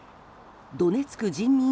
ドネツク人民